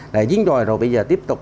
là chiến tròi rồi bây giờ tiếp tục